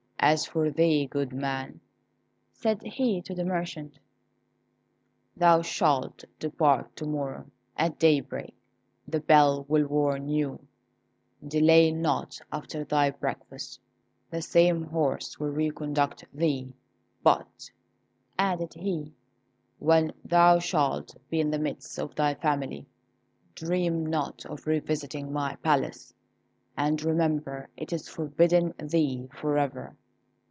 As for thee, good man," said he to the merchant, "thou shalt depart to morrow, at daybreak; the bell will warn you; delay not after thy breakfast; the same horse will reconduct thee. But," added he, "when thou shalt be in the midst of thy family, dream not of revisiting my palace, and remember it is forbidden thee for ever.